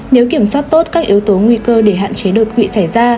nếu kiểm soát tốt các yếu tố nguy cơ để hạn chế đột quỵ xảy ra